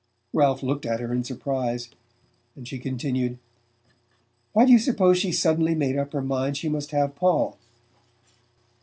Ralph looked at her in surprise, and she continued: "Why do you suppose she's suddenly made up her mind she must have Paul?"